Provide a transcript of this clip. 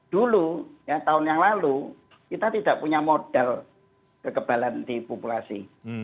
dulu ya tahun yang lalu kita tidak punya modal kekebalan di populasi